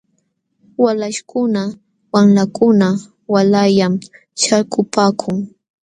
Walaśhkuna wamlakuna waalayllam śhalkupaakun .